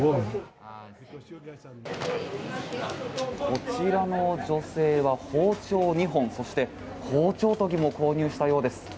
こちらの女性は包丁２本そして包丁研ぎも購入したようです。